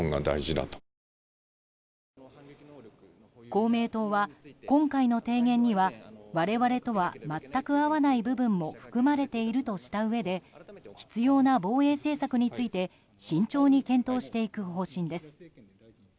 公明党は、今回の提言には我々とは全く合わない部分も含まれているとしたうえで必要な防衛政策について慎重に検討していく方針です。